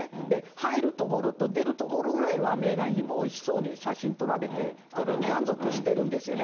入るところと出るところぐらいはメーガン妃もうれしそうに写真撮られて、満足してるんですよね。